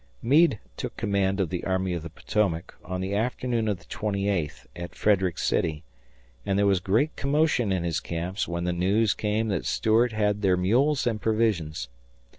Meade took command of the Army of the Potomac on the afternoon of the twenty eighth at Frederick City, and there was great commotion in his camps when the news came that Stuart had their mules and provisions.